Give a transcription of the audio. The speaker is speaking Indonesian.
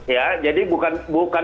ya jadi bukan pelaku